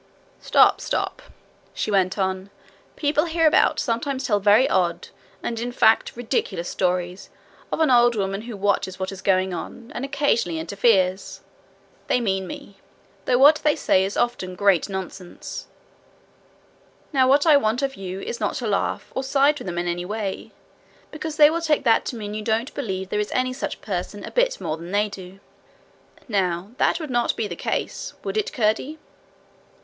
'Stop, stop,' she went on. 'People hereabout sometimes tell very odd and in fact ridiculous stories of an old woman who watches what is going on, and occasionally interferes. They mean me, though what they say is often great nonsense. Now what I want of you is not to laugh, or side with them in any way; because they will take that to mean that you don't believe there is any such person a bit more than they do. Now that would not be the case would it, Curdie?'